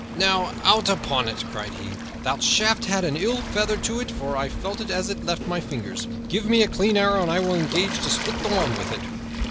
"Now, out upon it!" cried he. "That shaft had an ill feather to it, for I felt it as it left my fingers. Give me a clean arrow, and I will engage to split the wand with it."